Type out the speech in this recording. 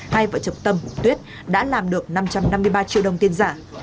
hai vợ chụp tâm hùng tuyết đã làm được năm trăm năm mươi ba triệu đồng tiền giả